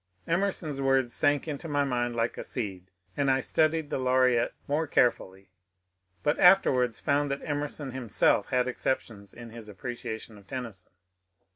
Emerson's word sank into my mind like a seed, and I studied the Laureate more carefully, but afterwards found that Emerson himself had exceptions in his appreciation of Tennyson.